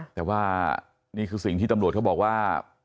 แต่ว่านี่คือสิ่งที่ตำรวจเขาบอกว่า